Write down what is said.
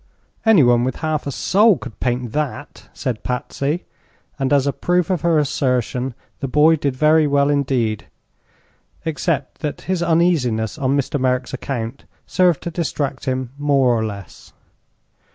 "Anyone with half a soul could paint that!" said Patsy; and as a proof of her assertion the boy did very well indeed, except that his uneasiness on Mr. Merrick's account served to distract him more or less.